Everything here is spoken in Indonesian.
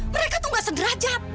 mereka tuh gak sederajat